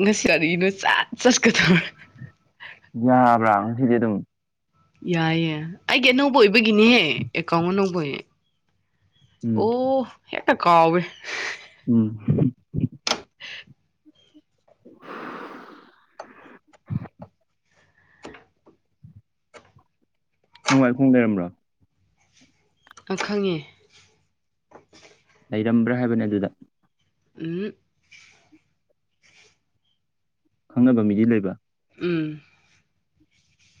ꯉꯁꯤ ꯀꯔꯤꯅꯣ ꯆꯥꯠ ꯆꯠꯁꯀ ꯊꯧ ꯌꯥꯕ꯭ꯔꯥ ꯉꯁꯤꯗꯤ ꯑꯗꯨꯝ ꯌꯥꯏꯌꯦ ꯑꯩꯒꯤ ꯑꯅꯧꯕ ꯑꯣꯏꯕꯒꯤꯅꯦꯍꯦ ꯑꯦꯀꯥꯎꯟ ꯑꯅꯧꯕ ꯑꯣꯏꯍꯦ ꯎꯝ ꯑꯣ ꯑꯦꯛꯇ ꯀꯥꯎꯕ ꯎꯝ [unintelligible] ꯅꯪꯋꯥꯥꯏꯈꯨꯝ ꯂꯩꯔꯝꯕ꯭ꯔꯣ ꯑꯪ ꯈꯪꯉꯦ ꯂꯩꯔꯝꯕ꯭ꯔꯥ ꯍꯥꯏꯕꯅꯦ ꯑꯗꯨꯗ ꯫ ꯎꯝ ꯈꯪꯅꯕ ꯃꯤꯗꯤ ꯂꯩꯕ ꯎꯝ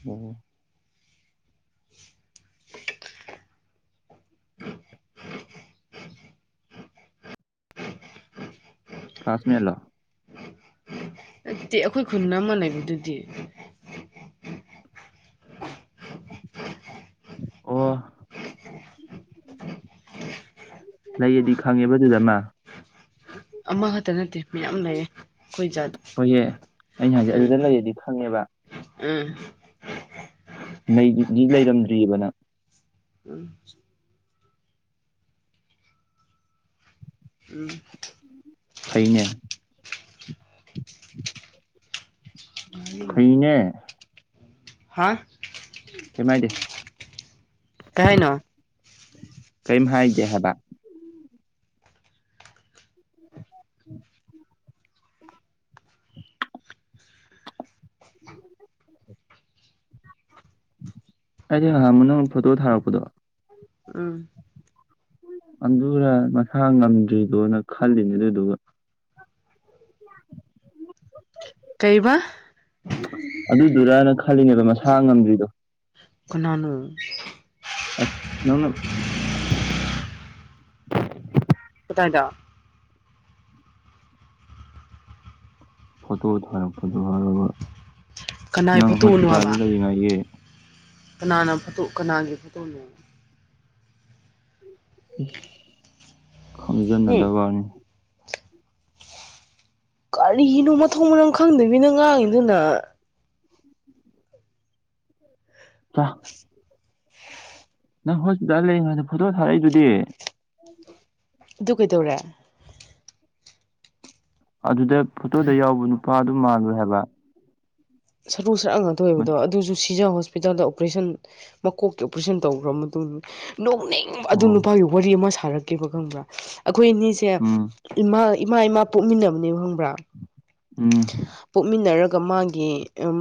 ꯎꯝ ꯀ꯭ꯂꯥꯁꯃꯦꯠꯂꯣ ꯑꯩꯈꯣꯏ ꯈꯨꯟ ꯑꯃ ꯂꯩꯕꯗꯨꯗꯤ ꯑꯣ ꯂꯩꯌꯦꯗꯤ ꯈꯪꯉꯦꯕ ꯑꯗꯨꯗ ꯃꯥ ꯑꯃꯈꯛꯇ ꯅꯠꯇꯦ ꯃꯌꯥꯝ ꯂꯩꯌꯦ ꯑꯩꯈꯣꯏ ꯖꯥꯠ ꯍꯣꯏꯍꯦ ꯑꯩꯅ ꯍꯥꯏꯗꯤ ꯎꯝ ꯑꯗꯨꯗ ꯂꯩꯔꯗꯤ ꯈꯪꯉꯦꯕ ꯎꯝ ꯂꯩꯒꯤꯕꯨꯗꯤ ꯂꯩꯔꯝꯗ꯭ꯔꯤꯑꯕ ꯅꯪ ꯎꯝ ꯎꯝ ꯐꯩꯅꯦ ꯐꯩꯅꯦ ꯍꯥꯥ ꯀꯩꯝ ꯍꯥꯏꯗꯦ ꯀꯩ ꯍꯥꯏꯅꯣ ꯀꯩꯝ ꯍꯥꯏꯗꯦ ꯍꯥꯏꯕ [inaudible] ꯍꯥꯏꯗꯤ ꯍꯪꯉꯝꯃꯅ ꯅꯪ ꯐꯣꯇꯣ ꯊꯥꯔꯛꯄꯗꯣ ꯎꯝ ꯑꯗꯨꯔ ꯃꯁꯥ ꯉꯝꯗ꯭ꯔꯤꯗꯣꯅ ꯈꯜꯂꯤꯅꯦ ꯑꯗꯨꯗꯨꯒ ꯀꯩꯕꯥ ꯑꯗꯨꯗꯨꯔꯅ ꯈꯜꯂꯤꯅꯦꯕ ꯃꯁꯥ ꯉꯝꯗ꯭ꯔꯤꯗꯣ ꯀꯅꯥꯅꯣ ꯑꯩꯁ ꯅꯪꯅ ꯀꯥꯇꯥꯏꯗ ꯐꯣꯇꯣ ꯊꯥꯔꯛꯄꯗꯣ ꯍꯥꯏꯔꯒ ꯀꯅꯥꯏ ꯅꯪ ꯐꯣꯇꯣꯅꯣ ꯍꯣꯁꯄꯤꯇꯥꯜꯗ ꯍꯥꯏꯕ ꯂꯩ ꯍꯥꯏꯌꯦ ꯀꯅꯥꯅ ꯐꯣꯇꯣ ꯀꯅꯥꯒꯤ ꯐꯣꯇꯣꯅꯣ ꯏꯁ ꯍꯨꯝ ꯈꯪꯖꯤꯟꯅꯗꯕ ꯋꯥꯅꯤ ꯀꯔꯤꯅꯣ ꯃꯊꯣꯡ ꯃꯔꯝ ꯈꯪꯗꯕꯤꯅ ꯉꯥꯡꯉꯤꯗꯨꯅ [unintelligible] ꯅꯪ ꯍꯣꯁꯄꯤꯇꯥꯜ ꯂꯩꯔꯤꯉꯩꯗ ꯍꯥꯏꯗ ꯐꯣꯇꯣ ꯊꯥꯔꯛꯏꯗꯨꯗꯤ [inaudible] ꯑꯗꯨ ꯀꯩꯗꯧꯔꯦ ꯑꯗꯨꯗ ꯐꯣꯇꯣꯗ ꯌꯥꯎꯕ ꯅꯨꯄꯥꯗꯨ ꯃꯜꯂꯣꯏ ꯍꯥꯏꯕ ꯁꯔꯨ ꯁꯔꯥꯡ ꯉꯥꯛꯇ ꯑꯣꯏꯕꯗꯣ ꯃꯁ ꯑꯗꯨꯁꯨ ꯁꯤꯖꯥ ꯍꯣꯁꯄꯤꯇꯥꯜꯗ ꯑꯣꯄꯔꯦꯁꯟ ꯃꯀꯣꯛꯀꯤ ꯑꯣꯄꯔꯦꯁꯟ ꯇꯧꯈ꯭ꯔꯕ ꯃꯇꯨꯡꯗ ꯅꯣꯛꯅꯤꯡ ꯑꯗꯨ ꯑꯣ ꯅꯨꯄꯥꯒꯤ ꯋꯥꯔꯤ ꯑꯃ ꯁꯥꯔꯛꯀꯦꯕ ꯈꯪꯕ꯭ꯔꯥ ꯑꯩꯈꯣꯏ ꯑꯅꯤꯁꯦ ꯎꯝ ꯏꯃꯥ ꯏꯃꯥ ꯏꯃꯥ ꯄꯣꯛꯃꯤꯟꯅꯕꯅꯦꯕ ꯈꯪꯕ꯭ꯔꯥ ꯎꯝ ꯄꯣꯛꯃꯤꯟꯅꯔꯒ ꯃꯥꯒꯤ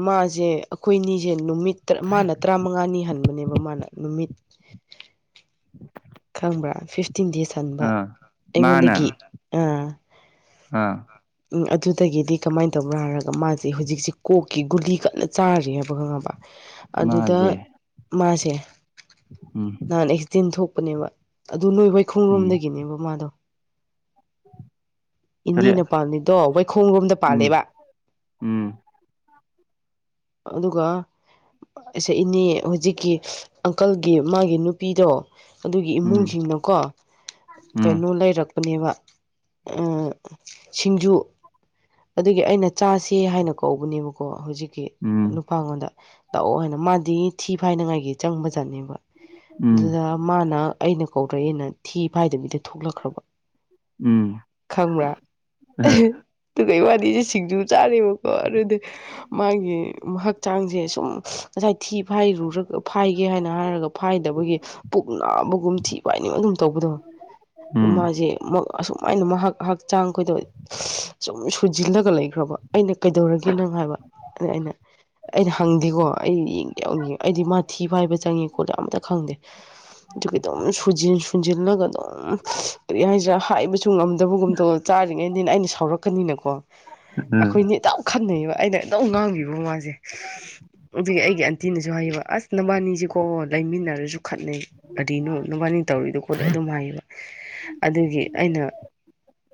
ꯃꯥꯖꯦ ꯑꯩꯈꯣꯏꯅꯤꯖꯦ ꯅꯨꯃꯤꯠ ꯃꯥꯅ ꯇꯔꯥꯃꯉꯥꯅꯤ ꯍꯟꯕꯅꯦꯕ ꯃꯥꯅ ꯅꯨꯃꯤꯠ [inaudible] ꯈꯪꯕ꯭ꯔꯥ ꯐꯤꯐꯇꯤꯟ ꯗꯦꯖ ꯍꯟꯕ ꯑꯥ ꯃꯥꯅ ꯑꯩꯉꯣꯟꯗꯒꯤ ꯑꯥ ꯑꯥ ꯎꯝ ꯑꯗꯨꯗꯒꯤꯗꯤ ꯀꯃꯥꯏꯅ ꯇꯧꯕꯔꯥ ꯍꯥꯏꯔꯒ ꯃꯥꯖꯦ ꯍꯧꯖꯤꯛꯁꯦ ꯀꯣꯛꯀꯤ ꯒꯨꯂꯤ ꯀꯟꯅ ꯆꯥꯔꯤ ꯍꯥꯏꯕ ꯈꯪꯉꯕ [inaudible] ꯑꯗꯨꯗ ꯃꯥꯁꯦ ꯎꯝ ꯅꯍꯥꯟ ꯑꯦꯛꯁꯤꯗꯦꯟ ꯊꯣꯛꯄꯅꯦꯕ ꯑꯗꯨ ꯅꯣꯏ ꯎꯝ ꯋꯥꯏꯈꯣꯡꯔꯣꯝꯗꯒꯤꯅꯦꯕ ꯃꯥꯗꯣ [inaudible] ꯀꯔꯤ ꯏꯅꯦꯅ ꯄꯥꯜꯂꯤꯗꯣ ꯋꯥꯏꯈꯣꯡ ꯔꯣꯝꯗ ꯎꯝ ꯄꯥꯜꯂꯦꯕ ꯎꯝ ꯑꯗꯨꯒ ꯑꯩꯁ ꯏꯅꯦ ꯍꯧꯖꯤꯛꯀꯤ ꯑꯪꯀꯜꯒꯤ ꯃꯥꯒꯤ ꯅꯨꯄꯤꯗꯣ ꯑꯗꯨꯒꯤ ꯎꯝ ꯏꯃꯨꯡꯁꯤꯡꯅꯀꯣ ꯎꯝ ꯀꯩꯅꯣ ꯂꯩꯔꯛꯄꯅꯦꯕ ꯎꯝ ꯁꯤꯡꯖꯨ ꯑꯗꯨꯒꯤ ꯑꯩꯅ ꯆꯥꯁꯦ ꯍꯥꯏꯅ ꯀꯧꯕꯅꯦꯕꯀꯣ ꯍꯧꯖꯤꯛ ꯎꯝ ꯫ ꯅꯨꯄꯥ ꯉꯣꯟꯗ ꯇꯧꯑꯣ ꯍꯥꯏꯅ ꯃꯥꯗꯤ ꯊꯤ ꯐꯥꯏꯅꯉꯥꯏꯒꯤ ꯆꯪꯕꯖꯥꯠꯅꯦꯕ ꯎꯝ ꯑꯗꯨꯗ ꯃꯥꯅ ꯑꯩꯅ ꯀꯧꯔꯛꯑꯦꯅ ꯊꯤ ꯐꯥꯏꯗꯕꯤꯗ ꯊꯣꯛꯂꯛꯈ꯭ꯔꯕ ꯎꯝ ꯈꯪꯕ꯭ꯔꯥ ꯑꯍ ꯇꯨꯒ ꯏꯕꯥꯟꯅꯤꯁꯦ ꯁꯤꯡꯖꯨ ꯆꯥꯔꯦꯕꯀꯣ ꯑꯗꯨꯗꯤ ꯃꯥꯒꯤ ꯍꯛꯆꯥꯡꯁꯦ ꯁꯨꯝ ꯉꯁꯥꯏ ꯊꯤ ꯐꯥꯏꯔꯨꯔꯒ ꯐꯥꯏꯒꯦ ꯍꯥꯏꯅ ꯍꯥꯏꯔꯒ ꯐꯥꯏꯗꯕꯒꯤ ꯄꯨꯛ ꯅꯥꯕꯒꯨꯝ ꯊꯤ ꯐꯥꯏꯅꯤꯡ ꯑꯗꯨꯝ ꯇꯧꯕꯗꯣ ꯎꯝ ꯃꯥꯁꯦ ꯑꯁꯨꯃꯥꯏꯅ ꯃꯍꯥꯛ ꯍꯛꯆꯥꯡ ꯀꯣꯏꯗ ꯁꯨꯝ ꯁꯨꯖꯤꯜꯂꯒ ꯂꯩꯈ꯭ꯔꯕ ꯑꯩꯅ ꯀꯩꯗꯧꯔꯒꯦ ꯅꯪ ꯍꯥꯏꯕ ꯑꯗ ꯑꯩꯅ ꯑꯩꯅ ꯍꯪꯗꯦꯀꯣ ꯑꯩ ꯌꯦꯡꯒ ꯌꯥꯎꯅ ꯌꯦꯡꯉ ꯑꯩꯗꯤ ꯃꯥꯊꯤ ꯐꯥꯏꯕ ꯆꯪꯉꯦ ꯈꯣꯠꯂꯦ ꯑꯝꯇ ꯈꯪꯗꯦ ꯑꯗꯨꯒꯤ ꯑꯗꯨꯝ ꯁꯨꯖꯤꯜꯂꯒ ꯑꯗꯨꯝ ꯀꯔꯤ ꯍꯥꯏꯁꯤꯔ ꯍꯥꯏꯕ ꯗꯕꯒꯨꯝ ꯇꯧ ꯆꯥꯔꯤꯉꯩꯅꯦꯅ ꯑꯩꯅ ꯁꯥꯎꯔꯛꯀꯅꯤꯅꯀꯣ ꯎꯝ ꯑꯩꯈꯣꯏꯅꯤ ꯑꯗꯨꯝ ꯈꯇꯅꯩꯌꯦꯕ ꯑꯩꯅ ꯑꯗꯨꯝ ꯉꯥꯡꯕꯤꯕ ꯃꯥꯁꯦ ꯑꯗꯨꯒꯤ ꯑꯩꯒꯤ ꯑꯟꯇꯤꯅꯁꯨ ꯍꯥꯏꯌꯦꯕ ꯑꯁ ꯅꯕꯥꯅꯤꯁꯤꯀꯣ ꯂꯩꯃꯤꯟꯅꯔꯁꯨ ꯈꯠꯅꯩ ꯀꯔꯤꯅꯣ ꯅꯕꯥꯅꯤꯅ ꯇꯧꯔꯤꯗꯣ ꯈꯣꯠꯂꯤꯗꯣ ꯑꯗꯨꯝ ꯍꯥꯏꯌꯦꯕ ꯑꯗꯨꯒꯤ ꯑꯩꯅ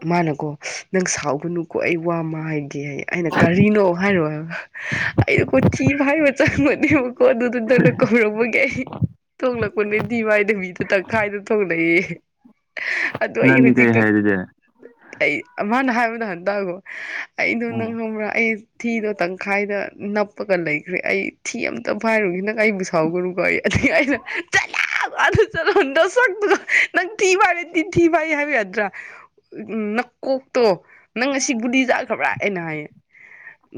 ꯃꯥꯅꯀꯣ ꯅꯪ ꯁꯥꯎꯒꯅꯨꯀꯣ ꯑꯩ ꯋꯥ ꯃꯥ ꯍꯥꯏꯒꯦ ꯍꯥꯏꯌꯦ ꯑꯩꯅ ꯀꯔꯤꯅꯣ ꯍꯥꯏꯔꯣ ꯍꯥꯏꯕ ꯑꯩꯗꯣꯀꯣ ꯊꯤ ꯐꯥꯏꯕ ꯆꯪꯕꯅꯦꯕꯀꯣ ꯑꯗꯨꯗ ꯅꯪ ꯀꯧꯔꯛꯄꯥꯒꯤ ꯑꯩ ꯊꯣꯛꯂꯛꯄꯅꯦ ꯊꯤ ꯐꯥꯏꯗꯕꯤꯗ ꯇꯪꯈꯥꯏꯗ ꯊꯣꯛꯂꯛꯑꯦꯌꯦ ꯑꯗꯨ ꯑꯩ ꯅꯪꯗꯤ ꯀꯩ ꯍꯧꯖꯤꯛꯇꯣ ꯍꯥꯏ ꯑꯗꯨꯗꯤ ꯑꯩ ꯑꯃꯅ ꯍꯥꯏꯕꯗ ꯍꯥꯟ ꯇꯥꯈꯣ ꯑꯩꯗꯣ ꯎꯝ ꯅꯪ ꯈꯪꯕ꯭ꯔꯥ ꯑꯩ ꯊꯤꯗꯣ ꯇꯪꯈꯥꯏꯗ ꯅꯞ ꯅꯞꯄꯒ ꯂꯩꯈ꯭ꯔꯦ ꯑꯩ ꯊꯤ ꯑꯃꯝꯇ ꯐꯥꯏꯔꯨꯒꯦꯀꯣ ꯅꯪ ꯑꯩꯕꯨ ꯁꯥꯎꯒꯅꯨꯀꯣ ꯑꯩ ꯑꯗꯨ ꯑꯩꯅ ꯆꯠꯂꯣ ꯑꯗꯥ ꯆꯠꯂꯣ ꯅꯥꯁꯛꯇꯨꯒ ꯅꯪ ꯊꯤꯐꯥꯏꯔꯗꯤ ꯊꯤꯐꯥꯏ ꯍꯥꯏꯕ ꯌꯥꯗ꯭ꯔꯥ ꯎꯝ ꯅꯀꯣꯛꯇꯣ ꯅꯪ ꯉꯥꯁꯤ ꯒꯨꯂꯤ ꯆꯥꯈ꯭ꯔꯕ꯭ꯔꯥ ꯍꯥꯏꯅ ꯍꯥꯏꯌꯦ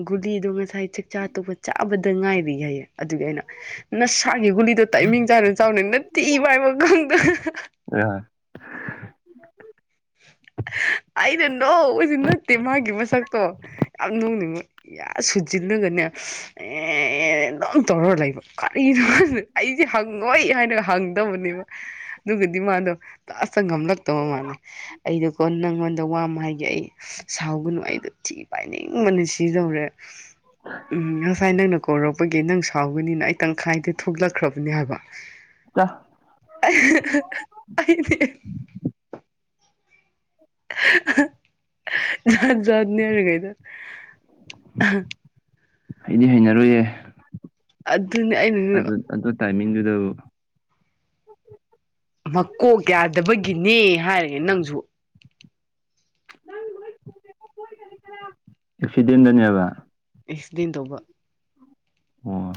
ꯒꯨꯂꯤꯗꯣ ꯉꯁꯥꯏ ꯆꯥꯛꯆꯥ ꯇꯣꯀꯄꯗ ꯆꯥꯕꯗ ꯉꯥꯏꯔꯤ ꯍꯥꯏꯌꯦ ꯑꯗꯨꯒꯤ ꯑꯩꯅ ꯅꯁꯥꯒꯤ ꯒꯨꯂꯤꯗꯨꯣ ꯇꯥꯏꯃꯤꯡ ꯆꯥꯅ ꯆꯥꯎꯅꯦ ꯅꯊꯤ ꯐꯥꯏꯕ ꯐꯥꯎ ꯈꯪꯗꯕ ꯍꯣꯏ [inaudible] ꯑꯩꯩꯅ ꯅꯣꯛꯄꯁꯦ ꯅꯠꯇꯦ ꯃꯥꯒꯤ ꯃꯁꯛꯇꯣ ꯌꯥꯝ ꯅꯣꯛꯅꯤꯡꯕ ꯁꯨꯖꯤꯜꯂꯒꯅꯦ ꯑꯦ ꯑꯗꯨꯝ ꯇꯧꯔꯒ ꯂꯩꯕ ꯀꯔꯤꯅꯣ [unintelligible] ꯑꯩ ꯍꯪꯉꯣꯏ ꯍꯥꯏꯅ ꯍꯪꯗꯕꯅꯦꯕ ꯑꯗꯨꯒꯗꯤ ꯃꯥꯗꯣ ꯂꯥꯁꯇ ꯉꯝꯂꯛꯇꯕ ꯃꯥꯜꯂꯦ ꯑꯩꯗꯣꯀꯣ ꯅꯪꯉꯣꯟꯗ ꯋꯥꯃ ꯍꯥꯏꯒꯦ ꯑꯩ ꯁꯥꯎꯒꯅꯨ ꯑꯩꯗꯣ ꯊꯤ ꯐꯥꯏꯅꯤꯡ ꯕꯅ ꯁꯤꯗꯧꯔꯦ ꯎꯝ ꯉꯁꯥꯏ ꯅꯪꯅ ꯀꯧꯔꯛꯄꯒꯤ ꯅꯪ ꯁꯥꯎꯒꯅꯤꯅ ꯑꯩ ꯇꯪꯈꯥꯏꯗ ꯊꯣꯛꯂꯛꯈ꯭ꯔꯕꯅꯦ ꯍꯥꯏꯕ ꯆꯥ ꯑꯩꯗꯤ ꯖꯥꯠ ꯖꯥꯠ ꯅꯤꯗ ꯍꯩꯗꯤ ꯍꯩꯅꯔꯣꯏꯌꯦ ꯑꯗꯨꯅꯤ ꯑꯩꯅꯅꯦ ꯑꯗꯨ ꯑꯗꯨ ꯇꯥꯏꯃꯤꯡꯗꯨꯗꯕꯨ ꯃꯀꯣꯛ ꯌꯥꯗꯕꯒꯤꯅꯦ ꯍꯥꯏꯔꯒ ꯅꯪꯁꯨ ꯫ ꯑꯦꯛꯁꯤꯗꯦꯟꯗꯅꯤꯕ ꯑꯦꯛꯁꯤꯗꯦꯟ ꯇꯧꯕ ꯑꯣ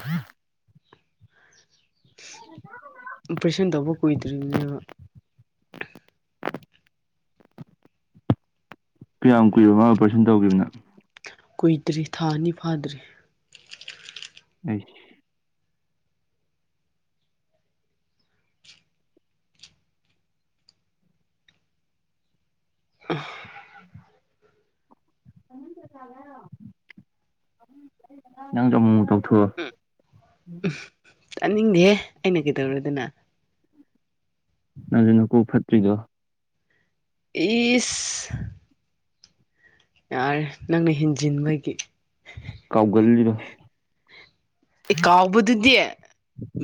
ꯑꯣꯄꯔꯦꯁꯟ ꯇꯧꯕ ꯀꯨꯏꯗ꯭ꯔꯤꯕꯅꯦꯕ ꯀꯌꯥꯝ ꯀꯨꯏꯔꯥꯕ ꯃꯥ ꯑꯣꯄꯔꯦꯁꯟ ꯇꯧꯈꯤꯕꯅ ꯀꯨꯏꯗ꯭ꯔꯤ ꯊꯥ ꯑꯅꯤ ꯐꯥꯗ꯭ꯔꯤ ꯑꯩꯁ ꯎꯝ ꯅꯪꯁꯨ ꯑꯃꯨꯛ ꯑꯃꯨꯛ ꯇꯧꯊꯣꯛꯑꯣ ꯎꯝ ꯇꯥꯅꯤꯡꯗꯦꯍꯦ ꯑꯩꯅ ꯀꯩꯗꯧꯔꯗꯅ ꯅꯅ ꯈꯨ ꯐꯠꯇꯔꯤꯗꯣ ꯏꯁ ꯌꯥꯔꯦ ꯅꯪꯅ ꯍꯦꯟꯖꯤꯟꯕꯒꯤ ꯀꯥꯎꯒꯜꯂꯤꯗꯣ ꯑꯦ ꯀꯥꯎꯕꯗꯨꯗꯤ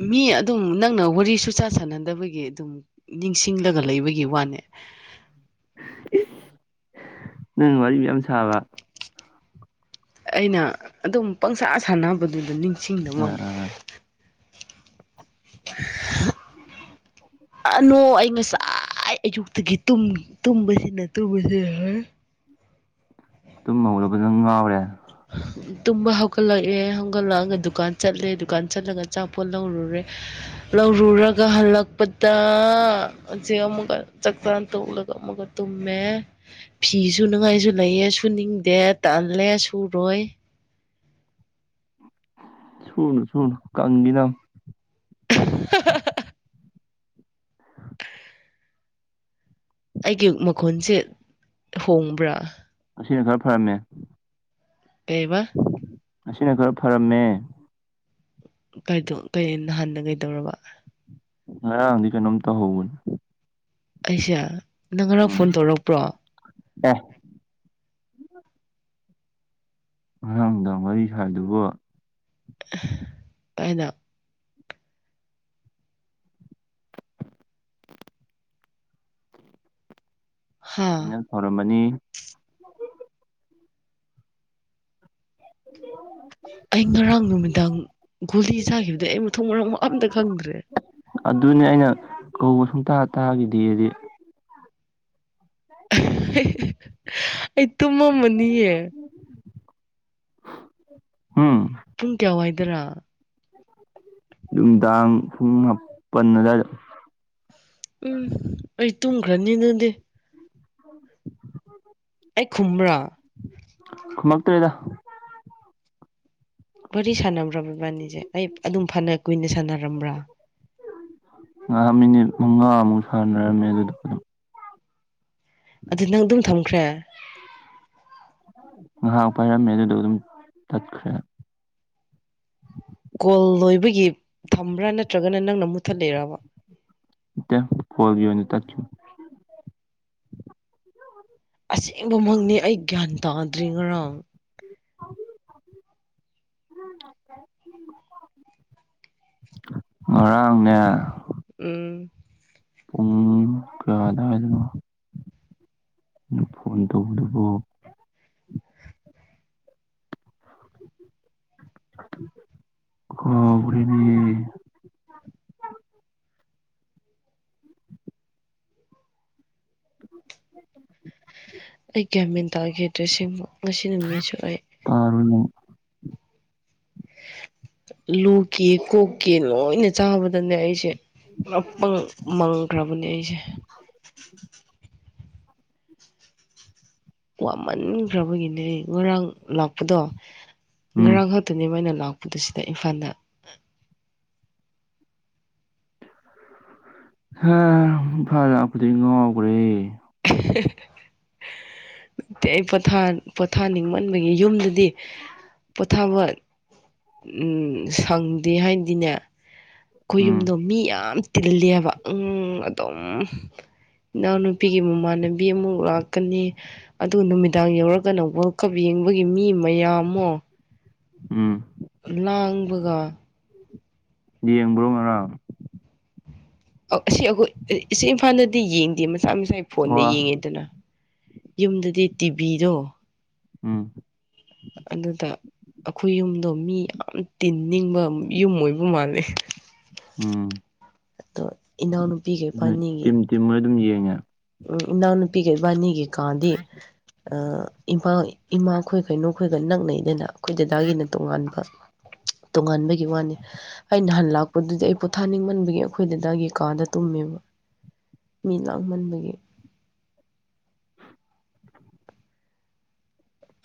ꯃꯤ ꯑꯗꯨꯝ ꯅꯪꯅ ꯋꯥꯔꯤ ꯁꯨꯆꯥ ꯁꯥꯟꯅꯗꯕꯒꯤ ꯑꯗꯨꯝ ꯅꯤꯡꯁꯤꯡꯂꯒ ꯂꯩꯕꯒꯤ ꯋꯥꯅꯦ ꯅꯪ ꯋꯥꯔꯤ ꯌꯥꯝ ꯁꯥꯕ ꯑꯩꯅ ꯑꯗꯨꯝ ꯄꯪꯁꯥ ꯁꯥꯟꯅꯕꯗꯨꯗ ꯅꯤꯡꯁꯤꯡꯅꯕꯅꯕꯅꯤ ꯅꯣ ꯑꯩ ꯉꯁꯥꯏ ꯑꯌꯨꯛꯇꯒꯤ ꯇꯨꯝꯕꯁꯤꯅ ꯇꯨꯝꯕꯕꯁꯤꯣꯏ ꯇꯨꯝ ꯍꯧꯂ ꯐꯖꯅ ꯉꯥꯎꯔꯦ ꯇꯨꯝꯕ ꯍꯧꯒꯠꯂꯛꯑꯦ ꯍꯧꯒꯠꯂꯛꯑꯒ ꯗꯨꯀꯥꯟ ꯆꯠꯂꯦ ꯗꯨꯀꯥꯟ ꯆꯠꯂꯒ ꯑꯆꯥꯄꯣꯠ ꯂꯧꯔꯨꯔꯦ ꯂꯧꯔꯨꯔꯒ ꯍꯜꯂꯛꯄꯗ ꯑꯁꯤ ꯑꯃꯨꯛꯀ ꯆꯥꯛ ꯆꯥ ꯇꯣꯛꯂꯒ ꯑꯃꯨꯛꯀ ꯫ ꯇꯨꯝꯃꯦ ꯐꯤꯁꯨ ꯅꯨꯡꯉꯥꯏꯁꯨ ꯂꯩꯌꯦꯦ ꯁꯨꯅꯤꯡꯗꯦ ꯇꯥꯜꯂꯦ ꯁꯨꯔꯣꯏ ꯁꯨꯅꯨ ꯁꯨꯅꯨ ꯀꯪꯒꯤꯅꯅꯦ ꯫ [unintelligible] ꯑꯩꯒꯤ ꯃꯈꯣꯟꯁꯦ ꯍꯣꯡꯕ꯭ꯔꯥ ꯑꯁꯤꯅ ꯈꯔ ꯐꯔꯅꯦ ꯇꯕ ꯑꯁꯤꯅ ꯈꯔ ꯐꯔꯝꯃꯦ ꯀꯩꯗꯣ ꯅꯍꯥꯟꯅ ꯀꯩꯗꯧꯔꯕ ꯫ ꯍ ꯑꯗꯨꯀꯅꯃꯤꯇ ꯍꯒꯣꯟ ꯑꯩꯁꯦ ꯅꯪ ꯉꯔꯥꯡ ꯎꯝ ꯐꯣꯟ ꯇꯧꯔꯛꯄ꯭ꯔꯣ ꯑꯦ ꯑꯉꯥꯡꯗ ꯃꯔꯤ ꯍꯥꯏꯗꯨꯕꯨ ꯄꯥꯏꯅ ꯍꯥ ꯑꯩꯅ ꯊꯧꯔꯝꯃꯅꯤ ꯑꯩ ꯉꯔꯥꯡ ꯅꯨꯃꯤꯗꯥꯡ ꯒꯨꯂꯤ ꯆꯥꯈꯤꯕꯗꯩ ꯑꯩ ꯃꯊꯣꯡ ꯃꯔꯎ ꯑꯝꯇ ꯈꯪꯗ꯭ꯔꯦ ꯫ ꯑꯗꯨꯅꯦ ꯑꯩꯅ ꯀꯧꯕ ꯁꯨꯡꯇꯥꯇꯥꯥꯒꯤꯗꯤꯗꯤ ꯑꯩ ꯇꯨꯝꯃꯝꯃꯅꯤꯌꯦ ꯍꯝ ꯄꯨꯡ ꯀꯌꯥꯋꯥꯏꯗꯔꯥ ꯅꯨꯡꯗꯥꯡ ꯄꯨꯡ ꯍꯥꯄꯟ ꯑꯗꯨꯋꯥꯏꯗ ꯎꯝ ꯑꯩ ꯇꯨꯝꯈ꯭ꯔꯅꯤ ꯑꯗꯨꯗꯤ ꯑꯩ ꯈꯨꯝ꯭ꯔꯥ ꯈꯃꯒ ꯇꯦꯗ ꯋꯥꯔꯤ ꯁꯥꯟꯅꯝ꯭ꯔꯕ ꯏꯕꯥꯅꯤꯁꯦ ꯑꯩ ꯑꯗꯨꯝ ꯐꯅ ꯀꯨꯏꯅ ꯁꯥꯟꯅꯔꯝꯕ꯭ꯔꯥ ꯉꯍꯥꯛ ꯃꯤꯅꯤꯠ ꯃꯉꯥꯃꯨꯛ ꯁꯥꯟꯅꯔꯝꯃꯦ ꯑꯗꯨꯗ ꯑꯗꯨꯝ ꯑꯗꯨ ꯅꯪ ꯑꯗꯨꯝ ꯊꯝ ꯇ꯭ꯔꯦ ꯉꯥꯏꯍꯥꯛ ꯄꯥꯏꯔꯝꯃꯦ ꯑꯗꯨꯗꯣ ꯑꯗꯨꯝ ꯇꯠꯈ꯭ꯔꯦ ꯀꯣꯜ ꯂꯣꯏꯕꯒꯤ ꯊꯝꯕ꯭ꯔꯥ ꯅꯠꯇ꯭ꯔꯒꯅ ꯅꯪꯅ ꯃꯨꯠꯊꯠꯂꯤꯔꯕ ꯐꯣꯜꯒꯣ ꯅ ꯇ ꯑꯁꯦꯡꯕꯃꯛꯅꯤ ꯑꯩ ꯒ꯭ꯌꯥꯟ ꯇꯥꯗ꯭ꯔꯤ ꯉꯔꯥꯡ ꯉꯔꯥꯡꯅꯦ ꯎꯝ ꯄꯨꯡ ꯀꯌꯥꯗꯥꯋꯥꯏꯗꯅꯣ ꯐꯣꯟ ꯇꯧꯕꯗꯨꯕꯨ ꯑꯣ ꯎꯅꯤ [inaudible] ꯑꯩ ꯒ꯭ꯌꯥꯃꯦꯟ ꯇꯥꯒꯦꯗ꯭ꯔꯦꯁꯤꯡꯕꯨ ꯉꯁꯤ ꯅꯨꯃꯤꯠꯁꯨ ꯑꯩ ꯇꯔꯨꯅꯨ ꯂꯨꯀꯦ ꯀꯣꯛꯀꯦ ꯂꯣꯏꯅ ꯆꯥꯕꯗꯅꯦ ꯑꯩꯁꯦ ꯃꯪꯈ꯭ꯔꯕꯅꯦ ꯑꯩꯁꯦ ꯋꯥꯃꯟꯈ꯭ꯔꯕꯒꯤꯅꯦ ꯉꯔꯥꯡ ꯂꯥꯛꯄꯗꯣ ꯎꯝ ꯉꯔꯥꯡ ꯑꯗꯨꯅꯦ ꯃꯣꯏꯅ ꯂꯥꯛꯄꯗꯨꯁꯤꯗ ꯏꯝꯐꯥꯜꯗ ꯍ ꯏꯐꯥ ꯂꯥꯛꯄꯗꯤ ꯉꯥꯎꯈ꯭ꯔꯦ ꯑꯩ ꯄꯣꯊ ꯄꯣꯊꯥꯅꯤꯡꯃꯟꯕꯒꯤ ꯌꯨꯝꯗꯨ ꯗꯤ ꯄꯣꯊꯥꯕ ꯎꯝ ꯁꯪꯗꯦ ꯍꯥꯏꯅꯗꯤꯅꯦ ꯎꯝ ꯈꯣꯏꯌꯨꯝꯗꯣ ꯃꯤ ꯌꯥꯝ ꯇꯤꯜꯂꯦꯕ ꯑꯗꯨꯝ ꯏꯅꯥꯎꯅꯨꯄꯤꯒꯤ ꯃꯃꯥꯟꯅꯕꯤ ꯑꯃꯨꯛ ꯂꯥꯛ ꯀꯀꯅꯤ ꯑꯗꯨꯒ ꯅꯨꯃꯤꯗꯥꯡ ꯌꯧꯔꯒꯅ ꯋꯥꯔꯜ ꯀꯞ ꯌꯦꯡꯕꯒꯤ ꯃꯤ ꯃꯌꯥꯝꯃꯣ ꯎꯝ ꯂꯥꯡꯕꯒ ꯌꯦꯡꯕ꯭ꯔꯣ ꯉꯔꯥꯡ ꯑꯁꯤ ꯑꯩꯈꯣꯏ ꯁꯤ ꯏꯝꯐꯥꯜꯗꯗꯤ ꯌꯦꯡꯗꯦ ꯃꯁꯥ ꯃꯁꯥꯒꯤ ꯐꯣꯟꯅ ꯑꯣ ꯌꯦꯡꯉꯦꯗꯅ ꯌꯨꯝꯗꯗꯤ ꯇꯤꯚꯤꯗꯣ ꯎꯝ ꯑꯗꯨꯗ ꯑꯩꯈꯣꯏ ꯌꯨꯝꯗꯣ ꯃꯤ ꯌꯥꯝ ꯇꯤꯟꯅꯤꯡꯕ ꯌꯨꯝ ꯑꯣꯏꯕ ꯃꯥꯂꯦ ꯎꯝ ꯑꯗꯣ ꯏꯅꯥꯎꯅꯨꯄꯤ ꯀꯩ ꯄꯥꯅꯤꯒꯤ ꯇꯤꯃꯣꯏ ꯑꯗꯨꯝ ꯌꯦꯡꯉꯦ ꯎꯝ ꯏꯅꯥꯎ ꯅꯨꯄꯤꯒ ꯏꯕꯥꯅꯤꯒꯤꯀꯥꯗꯤ ꯑꯥ ꯏꯝꯐꯥꯜ ꯏꯃꯥ ꯈꯣꯏ ꯀꯩꯅꯣ ꯈꯣꯏꯒ ꯅꯛꯅꯩꯗꯅ ꯑꯩꯈꯣꯏ ꯗꯗꯥꯒꯤꯅ ꯇꯣꯉꯥꯟꯕ ꯇꯣꯉꯥꯟꯕꯒꯤ ꯋꯥꯅꯤ ꯑ ꯅꯍꯥꯟ ꯂꯥꯛꯄꯗꯨꯗꯤ ꯑꯩ ꯄꯣꯊꯥꯅꯤꯡꯃꯟꯕꯒꯤ ꯑꯩꯈꯣꯏꯗꯗꯥꯒꯤꯩꯀꯥꯗ ꯇꯨꯝꯃꯦꯕ ꯃꯤ ꯂꯥꯡꯃꯟꯕꯒꯤ [inaudible]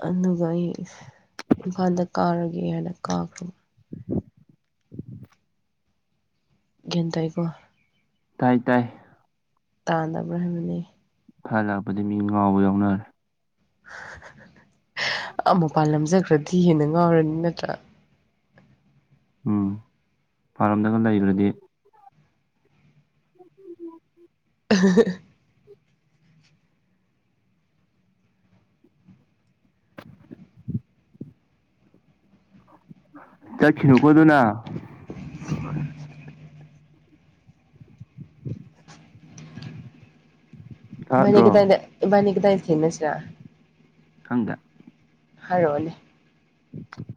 ꯑꯗꯨꯒ ꯑꯩ ꯏꯝꯐꯥꯜꯗ ꯀꯥꯔꯒꯦ ꯍꯥꯏꯅ ꯀꯥꯈ꯭ꯔꯕ ꯒꯦꯟꯇꯥꯏꯀꯣ ꯇꯥꯏ ꯇꯥꯏ ꯇꯥꯟꯗꯕ꯭ꯔꯥ ꯍꯥꯏꯕꯅꯤ ꯐꯔ ꯂꯥꯛꯄꯗꯤ ꯃꯤ ꯉꯥꯎꯕ ꯌꯥꯎꯅꯔꯦ ꯃꯨꯄꯥꯟ ꯂꯝꯖꯈ꯭ꯔꯗꯤ ꯍꯦꯟꯅ ꯉꯥꯎꯔꯅꯤ ꯅꯠꯇ꯭ꯔꯥ ꯎꯝ ꯃꯄꯥꯜꯔꯣꯝꯗꯒ ꯂꯩꯈꯔꯗꯤ ꯎ ꯑ ꯆꯠꯈꯤꯅꯨꯀꯣꯗꯨꯅ [unintelligible] ꯇꯥꯗ꯭ꯔꯣ ꯏꯕꯅꯤꯒꯗꯥꯏꯗ ꯏꯕꯥꯟꯅꯤ ꯀꯗꯥꯏꯗ ꯊꯦꯡꯅꯁꯤꯔ ꯈꯪꯗꯦ ꯍꯥꯏꯔꯛꯑꯣꯅꯦ